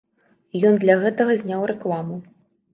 Ён для гэтага зняў рэкламу.